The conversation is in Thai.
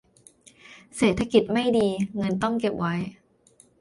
เศรษฐกิจไม่ดี เงินต้องเก็บไว้